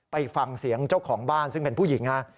ไปฟังเสียงเจ้าของบ้านซึ่งเป็นผู้หญิงฮะ